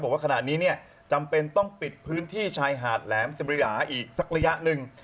ว่าขณะนี้เนี่ยจำเป็นต้องปิดพื้นที่ชายหาดแหลมสบริราอีกสักระยะหนึ่ง